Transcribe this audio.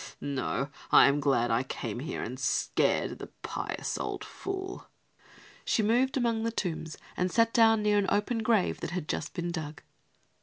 No, I am glad I came here and scared the pious old fool." She moved among the tombs and sat down near an open grave that had just been dug.